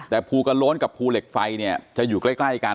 แต่ภูกระโล้นกับภูเหล็กไฟเนี่ยจะอยู่ใกล้กัน